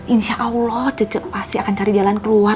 insya allah pasti akan cari jalan keluar